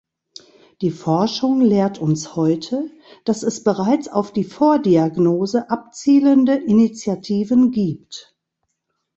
Die Forschung lehrt uns heute, dass es bereits auf die Vordiagnose abzielende Initiativen gibt.